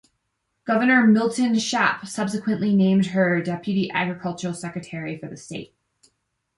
Governor Milton Shapp subsequently named her deputy agricultural secretary for the state.